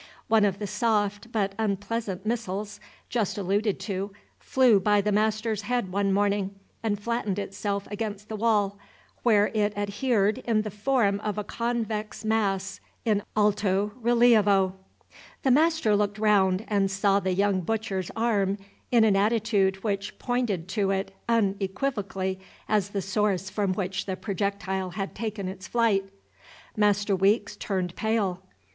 One of the soft, but unpleasant missiles just alluded to flew by the master's head one morning, and flattened itself against the wall, where it adhered in the form of a convex mass in alto rilievo. The master looked round and saw the young butcher's arm in an attitude which pointed to it unequivocally as the source from which the projectile had taken its flight. Master Weeks turned pale.